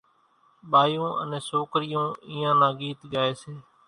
ٻايوُن انين سوڪرِيوُن اينيان نان ڳيت ڳائيَ سي۔